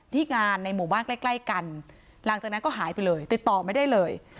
ที่งานแบบใกล้กันหลังจากนั้นก็หายไปเลยติดต่อไม่ได้เลย